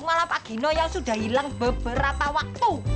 malah pak gino yang sudah hilang beberapa waktu